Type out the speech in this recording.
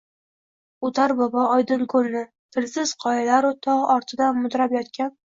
Oʼtar bobo Oydinkoʼlni, tilsiz qoyalaru togʼ ortida mudrab yotgan